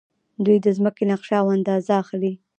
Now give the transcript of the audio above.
دوی د ځمکې نقشه او اندازه اخلي.